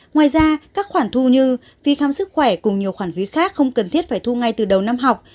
ngoài ra các khoản thu như phí khám sức khỏe cùng nhiều khoản phí khác không cần thiết phải thu ngay từ đầu năm học